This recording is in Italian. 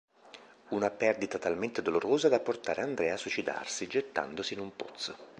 Una perdita talmente dolorosa da portare Andrea a suicidarsi, gettandosi in un pozzo.